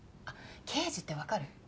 あっ刑事ってわかる？